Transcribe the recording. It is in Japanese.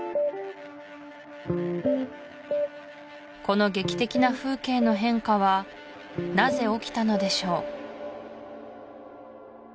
この劇的な風景の変化はなぜ起きたのでしょう